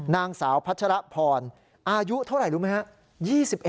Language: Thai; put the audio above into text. นางสาวพัชรพรอายุเท่าไหร่รู้ไหมครับ